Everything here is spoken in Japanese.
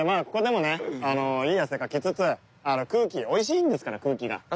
ここでもねいい汗かきつつ空気おいしいんですから空気が。